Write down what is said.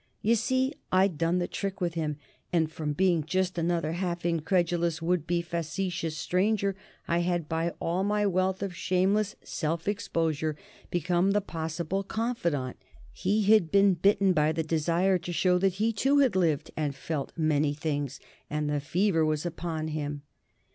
You see, I'd done the trick with him, and from being just another half incredulous, would be facetious stranger, I had, by all my wealth of shameless self exposure, become the possible confidant. He had been bitten by the desire to show that he, too, had lived and felt many things, and the fever was upon him.